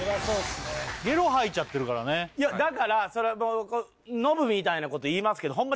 ゲロ吐いちゃってるからねいやだから！それノブみたいなこと言いますけどホンマ